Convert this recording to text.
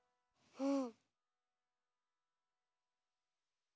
うん。